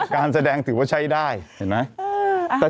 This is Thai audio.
การแสดงถือว่าใช้ได้เห็นไหม